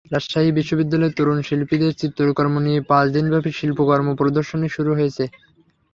রাজশাহী বিশ্ববিদ্যালয়ের তরুণ শিল্পীদের চিত্রকর্ম নিয়ে পাঁচ দিনব্যাপী শিল্পকর্ম প্রদর্শনী শুরু হয়েছে।